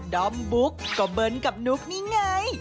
อมบุ๊กก็เบิร์นกับนุ๊กนี่ไง